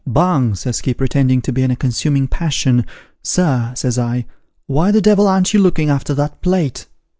' Bung,' says he, pretending to be in a consuming passion. ' Sir,' says I. ' Why the devil an't you looking after that plate